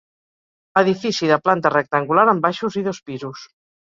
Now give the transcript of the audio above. Edifici de planta rectangular amb baixos i dos pisos.